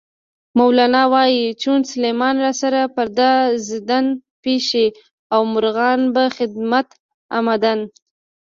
مولانا وایي: "چون سلیمان را سرا پرده زدند، پیشِ او مرغان به خدمت آمدند".